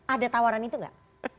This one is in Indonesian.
ada tawaran itu gak